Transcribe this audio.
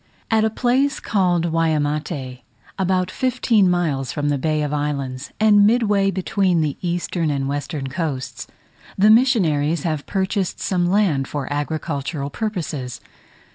At a place called Waimate, about fifteen miles from the Bay of Islands, and midway between the eastern and western coasts, the missionaries have purchased some land for agricultural purposes.